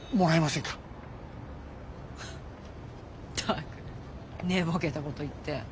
フッったく寝ぼけたこと言って。